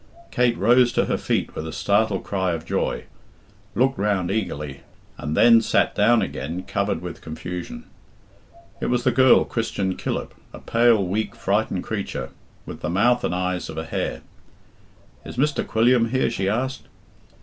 Kate rose to her feet with a startled cry of joy, looked round eagerly, and then sat down again covered with confusion. It was the girl Christian Killip, a pale, weak, frightened creature, with the mouth and eyes of a hare. "Is Mr. Quilliam here?" she asked.